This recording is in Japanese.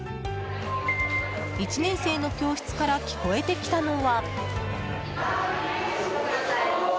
１年生の教室から聴こえてきたのは。